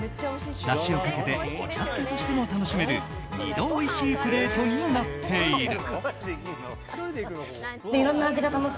だしをかけてお茶漬けとしても楽しめる２度おいしいプレートにもなっている。